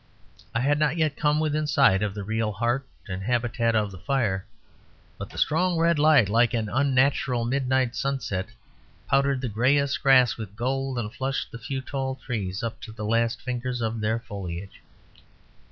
I had not yet come within sight of the real heart and habitat of the fire; but the strong red light, like an unnatural midnight sunset, powdered the grayest grass with gold and flushed the few tall trees up to the last fingers of their foliage.